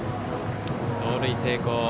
盗塁成功。